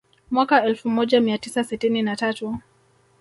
Mwaka elfu moja mia tisa sitini na tatu